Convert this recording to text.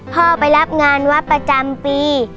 พ่อไปรับงานวัดประจำปี